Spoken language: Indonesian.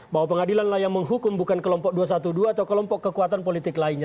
bahwa pengadilan lah yang menghukum bukan kelompok dua ratus dua belas atau kelompok kekuatan politik lainnya